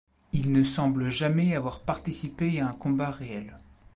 Il ne semble jamais avoir participé à un combat réel.